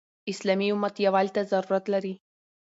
اسلامي امت يووالي ته ضرورت لري.